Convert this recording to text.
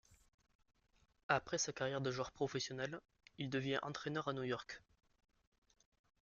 Après sa carrière de joueur professionnel, il devient entraîneur à New York.